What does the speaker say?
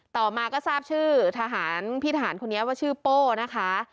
ต่อมาก็ทราบชื่อทหารพี่ทหารคนนี้ว่าชื่อโป้นะคะ